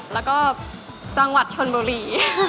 แล้วก็จังหวัดชนบุรี